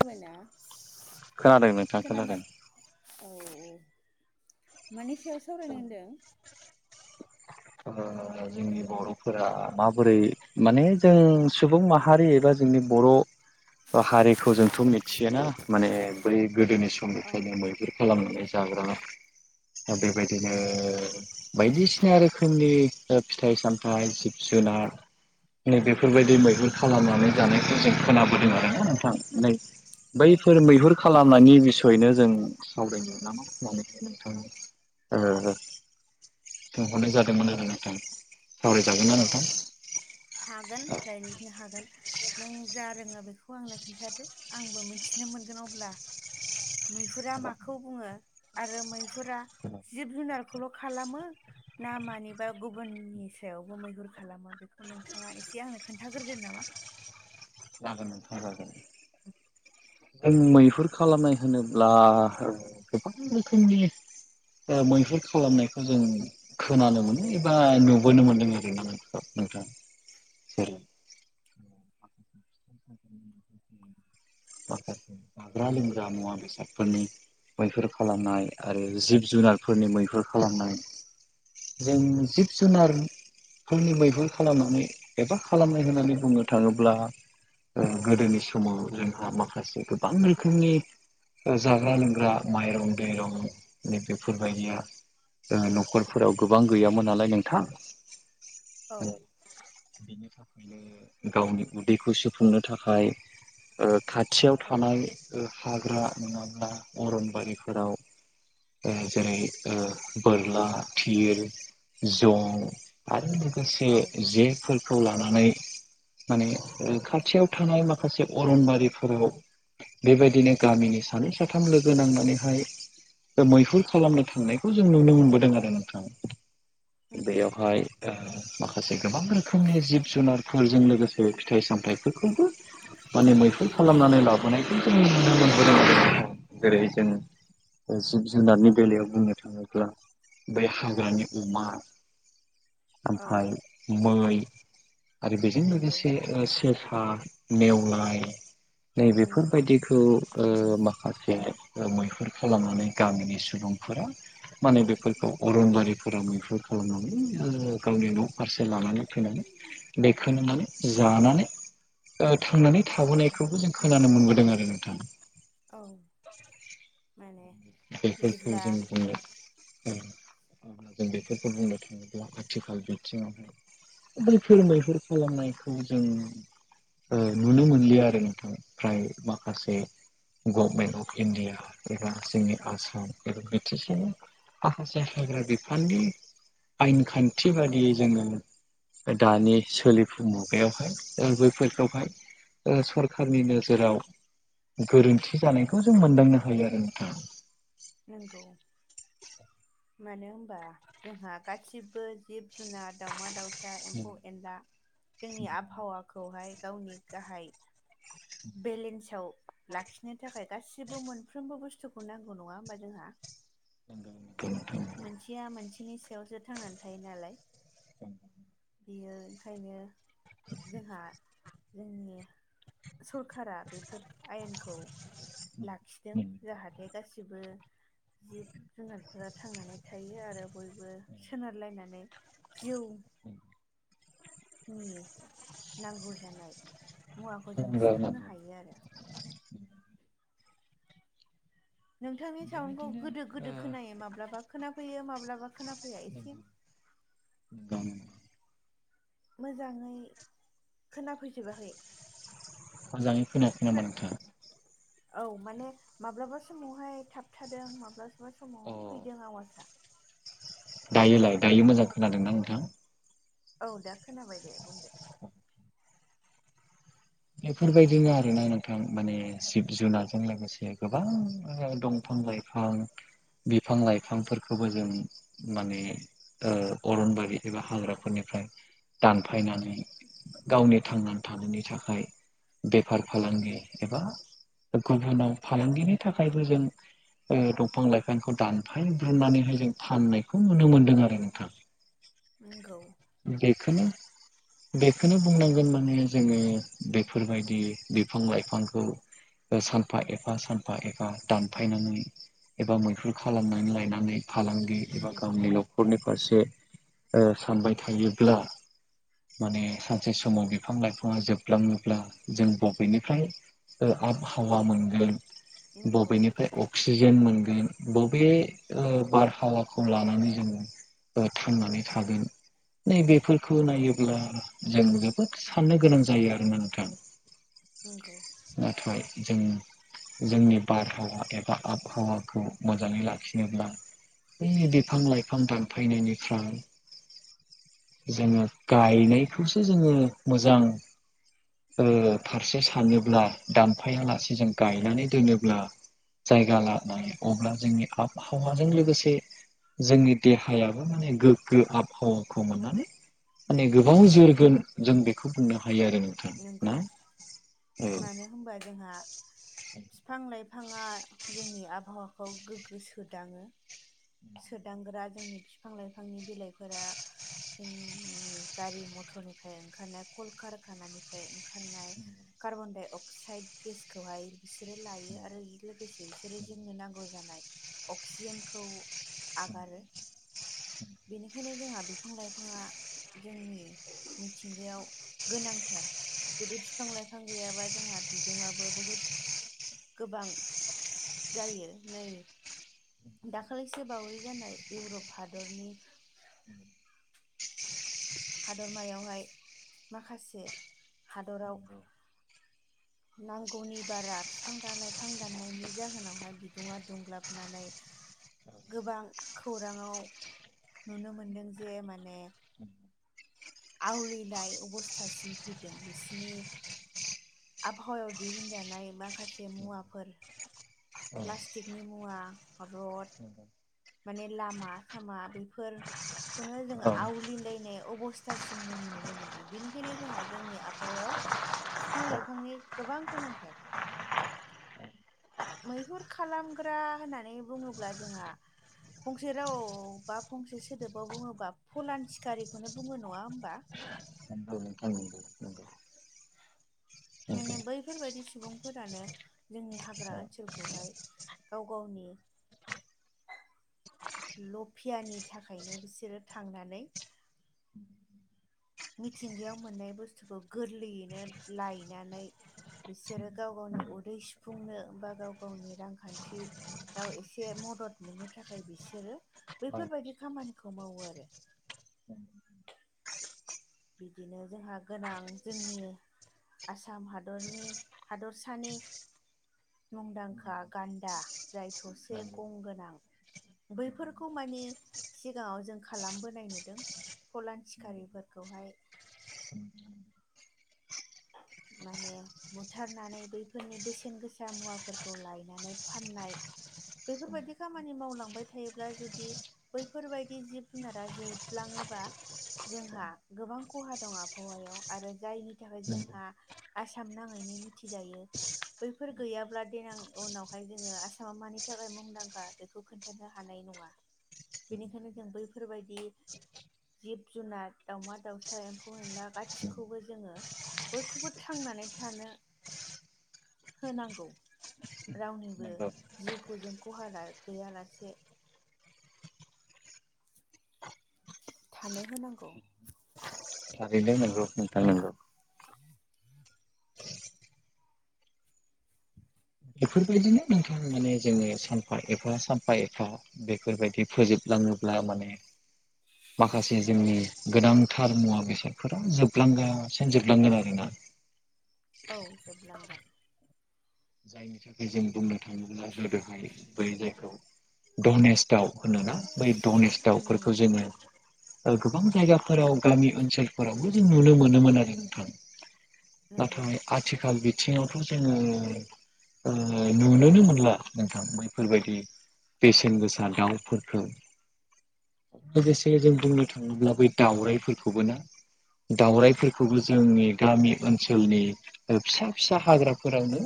खोनाबायना खोनादों नोंथां खोनादों औ-औ मानि सायाव सावरायनो होनदों ओ जोंनि बर'फोरा माबोरै माने जों सुबुं माहारि एबा जोंनि बर' हारिखौ जोंथ' मिथियो ना माने बै गोदोनि सु औ गोदोनिफ्रायनो मैहुर खालामनानै जाग्रा दा बेबायदिनो औ बायदिसिना रोखोमनि फिथाइ सामथाइ जिब जुनार नै बेफोरबायदि औ मैहुर खालामनानै जानायखौ जों खोनाबोदों आरोना नोंथां नै औ बैफोर मैहुर खालामनायनि बिसयैनो जों सावरायनो नामा नोंथां आङो औ सोंहरनाय जादोंमोन आरो नोंथां सावरायजागोनना औ नोंथां हागोन रायलायनो हागोन नों जा रोङो बेखौ आंनो खोन्थादो आंबो मिथिनो मोनगोन अब्ला मैहुरा माखौ बुङो आरो मैहुरा जिब जुनारखौल' खालामो ना मानिबा गुबुननि सायावबो मैहुर खालामो बेखौ नोंथाङा एसे आंनो खोन्थाग्रोदो नामा जागोन नोंथां जागोन जों मैहुर खालामनाय होनोब्ला गोबां रोखोमनि जा मैहुर खालामनायखौ जों खोनानो मोनो एबा नुबोनो मोन्दों आरो ना नों नोंथाङा जेरै [inaudible] औ माखासे जाग्रा लोंग्रा मुवा बेसादफोरनि मैहुर खालामनाय आरो जिब जुनारफोरनि मैहुर खालामनाय जों जिब जुनार फोरनि मैहुर खालामनानै एबा खालामनाय होननानै बुंनो थाङोब्ला ओ गोदोनि समाव जोंहा माखासे गोबां रोखोमनि जाग्रा लोंग्रा माइरं दैरं नै बेफोरबायदिया न'खरफोराव गोबां गैयामोन नालाय नोंथां औ बिनि थाखायनो गावनि उदैखौ सोफुंनो थाखाय ओ खाथियाव औ थानाय हाग्रा नङाब्ला अरनबारिफोराव ओ जेरै ओ बोरला थिर जं आरो माखासे औ जेफोरखौ लानानै माने खाथियाव थानाय माखासे अरनबारिफोराव बेबायदिनो गामिनि सानै साथाम लोगो नांनानैहाय मैहुर खालामनो थांनायखौ जों नुनो मोनबोदों आरो नोंथां नंगौ बेयावहाय माखासे गोबां रोखोमनि जिब जुनार फोरजों लोगोसे फिथाइ सामथाइफोरखौबो माने मैहुन खालामनानै लाबोनायखौ जों नुनो मोनबो जेरै जों जिब जुनारनि बेलायाव बुंनो थाङोब्ला बै हाग्रानि अमा [inaudible] औ ओमफाय मै आरो बेजों नंगौ लोगोसे सेसा नेव नै नंगौ बेफोरबायदिखौ ओ माखासे मैहुर खालामनानै गामिनि सुबुंफोरा माने बेफोरखौ अरनबारिफोराव बेफोर खालामनानै गावनि न' फारसे लानानै फैनानै बेखोनो माने जानानै ओ थांनानै थाबोनायखौबो जों खोनानो मोनबोदों आरो नोंथां औ माने बेफोरखौ बिदिब्ला जों जों बेफोरखौ बुंनो थाङोब्ला आथिखाल बिथिङावहाय बैफोर मैहुर खालामनायखौ जों ओ नुनो मोनलिया आरो नोंथां फ्राय माखासे गभमेन्ट अफ इन्डिया ऐसा जोंनि आसाम बिथिसिनि माखासे हाग्रा बिफाननि आयेन खान्थि बादियै जोङो दानि सोलिफु मुगायावहाय बैफोरखौहाय ओ सरखारनि नोजोराव गोरोन्थि जानायखौ जों मोनदांनो हायो आरो नोंथां नंगौ मानो होनबा जोंहा गासिबो जिब जुुनार दाउमा दाउसा एम्फौ एनला जोंनि आबहावाखौहाय गावनि गाहाय बेलेन्साव लाखिनो थाखाय गासिबो मोनफ्रोमबो बुस्थुखौ नांगौ नङा होमबा जोंहा नंगौ नोंथां मोनसेया मोनसेनि सायावसो थांनानै थायो नालाय [unintelligible] बेयो ओंखायनो जोंहा जोंनि स सरखारा बेफोर आयेनखौ लाखिदों जाहाथे गासिबो जिब जुनारफोरा थांनानै थायो आरो बयबो सोनारलायनानै जिउ नि नांगौ जानाय मुवाखौ जों सुफुंनो हायो आरो नोंथांनि साउन्डखौ बेबायदिनो गोदो ओ गोदो खोनायो माब्लाबा खोनाफैयो माब्लाबा खोनाफैया एसे [unintelligible] मोजाङै खोनाफैजोबाखै मोजाङै खोनायाखै नामा खोना नोंथा औ माने माब्लाबा समावहाय थाबथादों माब्लाबा समाव फैदों आवाजआ। दायोलाय दायो मोजां खोनादों ना नोंथां? औ दा खोनाबाय दे बुंदो। बेफोरबादिनो आरोना नोंथां माने जिब-जुनारजों लोगोसे गोबां दंफां-लाइफां ओं बिफां बिफां-लाइफांफोरखौबो जों माने अरनबारि एबा हाग्राफोरनिफ्राय दानफायनानै गावनि थांनानै थानायनि थाखाय ओ बेफार फालांगि एबा गुबुनाव फालांगिनि थाखायबो जों ओ दंफां लाइफांखौ दानफायब्रुनानैहाय जों फाननायखौ नुनो मोन्दों आरो नोंथां [unintelligible] नोंगौ। बेखौनो बेखौनो बुंनांगोन माने जोङो बेफोरबादि बिफां-लाइफांखौ सानफा एफा सानफा एफा दानफायनानै एबा मैहुर खालामनानै लायनानै फालांगि एबा नंगौ गावनि गाव ओ नखरनि फारसे सानबाय थायोब्ला माने सानसे समाव बिफां लाइफाङा जोब ओ बुंलाङोब्ला जों बबेनिफ्राय आबहावा मोनगोन। ओ नंगौ बबेनिफ्राय अक्सिजेन मोनगोन बबे बारहावा खौ लानानै जों थांनानै थागोन। नै बेफोरखौ नायोब्ला जों जोबोद साननो गोनां जायो आरो। ना नंगौ नोंथां। नोंगौ। नाथाय जों जोंनि बारहावा एबा आबहावाखौ मोजाङै लाखिनोब्ला ओ बै बिफां लाइफां दानफायनायनिफ्राय जोङो गायनायखौसो जोङो मोजां ओ फारसे सानोब्ला दानफायालासे जों गायनानै दोनोब्ला जायगा लानानै अब्ला जोंनि आबहावाजों लोगोसे जोंनि देहायाबो माने गोग्गो आबहावाखौ मोननानै माने गोबां जोरगोन जों बेखौ बुंनो हायो आरो नों नंगौ मानो होनबा जोंहा बिफां-लाइफां बिथाङा जोंनि आबहावाखौ गोगो सोदाङो। सोदांग्रा जोंनि बिफां लाइफांनि बिलाइफोरा जोंनि गारि मथरनिफ्राय ओंखारनाय कलकारखानानिफ्राय ओंखारनाय कार्बन डाइ अक्साइड गेसखौहाय बिसोरो लायो आरो बे लोगोसे बिसोरो जोंनो नांगौ जानाय अक्सिजेनखौ आगारो बेनिखायनो जोंहा बिफां लाइफाङा ओ जोंनि मिथिंगायाव गोनांथार जुदि बिफां लाइफां गैयाबा जोंहा बिदुङाबो बुहुत गोबां जायो नै दाखालिसो बावै जानाय इउरप हादरनि हादरमायावहाय माखासे हादराव [inaudible] नांगौनि बारा बिफां दा लाइफां दाननायनि जाहोनावहाय बिदुङा दुंग्लाबनानै ओ गोबां खौराङाव नुनो मोनदों जे माने आवलिनाय अबसथासिम फैदों बिसिनि आबहावायाव दिहुनजानाय माखासे मुवाफोरा प्लास्टिकनि मुवा बा रड माने लामा सामा बेफोर खौनो जों औ आवलिलायनाय अबसथासिम जों नुनो मोनदों बेनिखायनो जोंहा जोंनि आबहावायावबो बिफां लाइफांनि गोबां गोनांथार मैहुर खालामग्रा होननानै बुङोब्ला जोंहा फंसे रावाव बा फंसे सोदोबाव बुङोबा फलान सिखारिखौनो बुङो नङा होमबा नंगौ नोंथां नंगौ [inaudible] माने बैफोरबायदि सुबुंफोरानो जोंनि हाग्रा ओनसोलखौहाय गाव गावनि लफियानि थाखायनो बिसोरो थांनानै मिथिंगायाव मोननाय बुस्थुखौ गोरलैयैनो लायनानै बिसोरो गाव गावनि उदै सुफुंनो बा गाव गावनि रांखान्थि याव एसे मदद मोननो थाखाय बिसोरो बैफोरबायदि खामानिखौ मावो आरो बिदिनो जोंहा गोनां जोंनि आसाम हादरनि हादरसानि मुंदांखा गानदा जाय थसे गं गोनां औ नंगौ बैफोरखौ मानि सिगाङाव जों खालामबोनाय नुदों फलान सिखारिफोर फोरखौहाय [inaudible] माने बुथारनानै बैफोरनि बेसेन गोसा मुवाफोरखौ लायनानै फाननाय बेफोरबायदि खामानि मावलांबाय थायोब्ला जुदि बैफोरबायदि जिब जुनारा जोबलाङोबा जोंहा गोबां खहा दं आबहावायाव आरो जायनि थाखाय नंगौ जोंहा आसाम नाङैनो मिथिजायो बैफोर गैयाब्ला देनां उनावहाय जोङो आसामा मानि थाखाय मुंदांखा बेखौ खोन्थानो हानाय नङा बेनिखायनो जों बैफोरबायदि जिब जुनार दाउमा दाउसा एम्फौ एनला गासिखौबो जोङो बयखौबो थांनानै थानो होनांगौ रावनिबो नंगौ जिउखौ जों खहा गैयालासे थानो होनांगौ थारैनो नंगौ नोंथां नंगौ [inaudible] बेफोरबायदिनो नोंथां माने जोङो सानफा एफा सानफा एफा बेफोरबायदि फोजोबलाङोब्ला माने [inaudible] माखासे जोंनि गोनांथार मुवा बेसादफोरा जोबलांगासिनो जोबलांगोन आरोना औ जोबलांगोन बेनि थाखाय जों बुंनो थाङोब्ला गोदोहाय बै जायखौ डनेस दाउ होनोना बै डनेस नंगौ दाउफोरखौ जोङो गोबां जायगाफोराव गामि ओनसोलफोरावबो जों नुनो मोनोमोन आरो नोंथां नंगौ नाथाय आथिखाल बिथिङावथ' जोङो नुनोनो मोनला नोंथां बैफोरबायदि औ बेसेन गोसा दाउफोरखौ लोगोसे जों नंगौ बुंनो थाङोब्ला बै दावरायफोरखौबो ना औ दावरायफोरखौबो जोंनि गामि ओनसोलनि फिसा फिसा हाग्राफोरावनो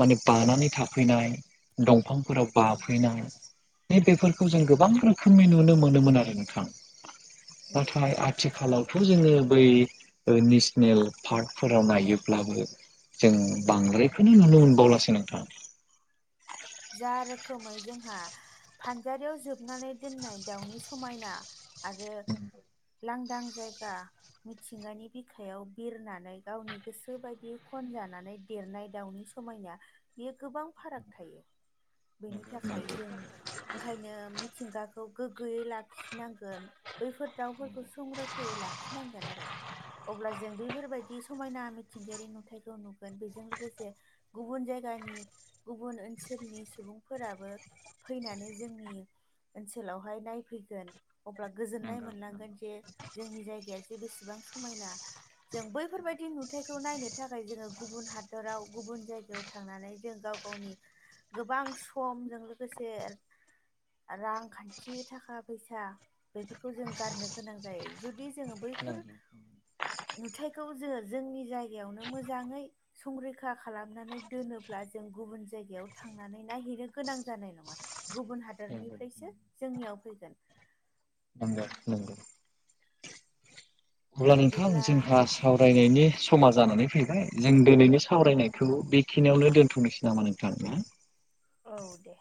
माने बानानै थाफैनाय दंफांफोराव उम बाफैनाय थिग बेफोरखौ जों गोबां रोखोमनि नुनो मोनोमोन आरो नोंथां नंगौ नाथाय आथिखालावथ' जोङो बै नेसनेल पार्कफोराव नायोब्लाबो जों बांद्रायखौनो नुनो मोनबावलासै नोंथां जा रोखोमै जोंहा फानजारियाव जोबनानै दोननाय दाउनि समायना आरो लांदां जायगा मिथिंगानि बिखायाव बिरनानै गावनि गोसो बायदि खनजानानै देरनाय दाउनि समायना बेयो गोबां फाराग थायो बेनि नंगौ थाखाय जों ओंखायनो मिथिंगाखौ गोग्गोयै लाखिनांगोन बैफोर दाउफोरखौ संरैखायै लाखिनांगोन आरो अब्ला जों बेफोरबायदि समायना मिथिंगायारि नुथायखौ नुगोन बेजों लोगोसे गुबुन जायगानि गुबुन ओनस सोलनि सुबुंफोराबो फैनानै जोंनि ओनसोलावहाय नायफैगोन अब्ला गोजोननाय मोनलांगोन जे जोंनि जायगाया जे बेसेबां समायना जों बैफोरबायदि नुथायखौ नायनो थाखाय जोङो गुबुन हादराव गुबुन जायगायाव थांनानै जों गाव गावनि गोबां समजों लोगोसे रांखान्थि थाखा फैसा बेफोरखौ जों गारनो गोनां जायो जुदि जोङो बैफोर नुथायखौ जो जोंनि जायगायावनो मोजाङै संरैखा खालामनानै दोनोब्ला जों गुबुन जायगायाव थांनानै नायहिरनो गोनां जानाय नङा गुबुन हादरनिफ्रायसो जोंनियाव फैगोन नोंगौ नोंगौ अब्ला नोंथां बिदिब्ला जोंहा सावरायनायनि समा जानानै फैबाय जों दोनैनि सावरायनायखौ बेखिनियावनो दोनथ'नोसै नामा नों थां औ दे